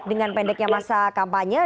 dengan pendeknya masa kampanye